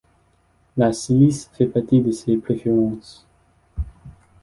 La silice fait partie de ses préférences.